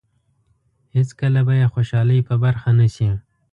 هېڅکله به یې خوشالۍ په برخه نه شي.